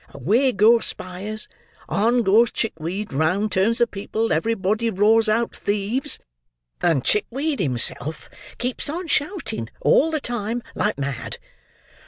Away goes Spyers; on goes Chickweed; round turns the people; everybody roars out, 'Thieves!' and Chickweed himself keeps on shouting, all the time, like mad.